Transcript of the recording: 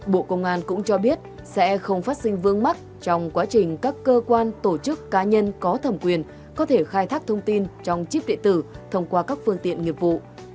bộ công an cũng cho biết sẽ không phát sinh vương mắc trong quá trình các cơ quan tổ chức cá nhân có thẩm quyền có thể khai thác thông tin trong chip điện tử thông qua các phương tiện nghiệp vụ